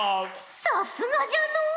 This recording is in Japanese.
さすがじゃの。